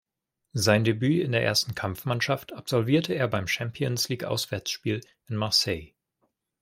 Sein Debüt in der ersten Kampfmannschaft absolvierte er beim Champions-League-Auswärtsspiel in Marseille.